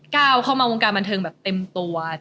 ก้าวเข้ามาวงการบันเทิงแบบเต็มตัว